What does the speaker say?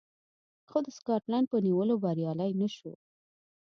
خو د سکاټلنډ په نیولو بریالی نه شو